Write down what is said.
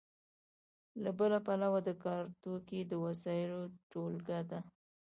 له بله پلوه د کار توکي د وسایلو ټولګه ده.